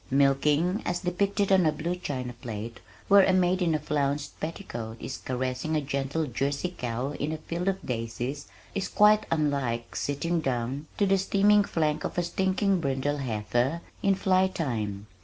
Milking as depicted on a blue china plate where a maid in a flounced petticoat is caressing a gentle Jersey cow in a field of daisies, is quite unlike sitting down to the steaming flank of a stinking brindle heifer in flytime.